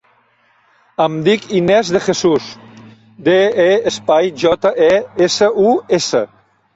Em dic Inés De Jesus: de, e, espai, jota, e, essa, u, essa.